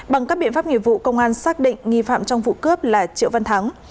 bằng các biện pháp nghiệp vụ công an xác định nghi phạm trong vụ cướp là triệu văn thắng